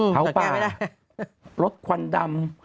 เผาป่าลดควันดำ